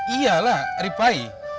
iya lah lifai